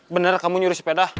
bener kamu nyuri sepeda